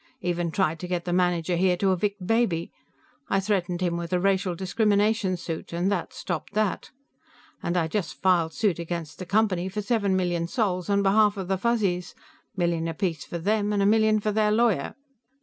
Even tried to get the manager here to evict Baby; I threatened him with a racial discrimination suit, and that stopped that. And I just filed suit against the Company for seven million sols on behalf of the Fuzzies million apiece for them and a million for their lawyer."